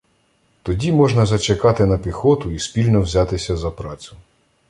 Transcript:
Тоді можна зачекати на піхоту і спільно взятися за працю.